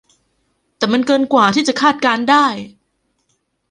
แต่มันเกินกว่าที่จะคาดการณ์ได้